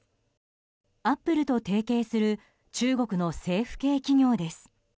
アップルと提携する中国の政府系企業です。